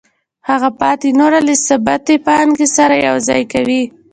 هغه پاتې نوره له ثابتې پانګې سره یوځای کوي